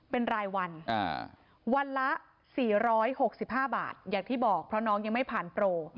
เป็นรายวันวันละ๔๖๕บาทอย่างที่บอกเพราะน้องยังไม่ผ่านโปร